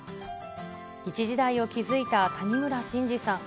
一時代を築いた谷村新司さん。